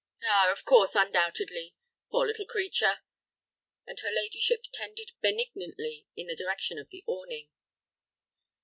"Ah, of course, undoubtedly. Poor little creature!" and her ladyship tended benignly in the direction of the awning.